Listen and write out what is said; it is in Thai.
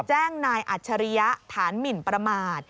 นายอัจฉริยะฐานหมินประมาท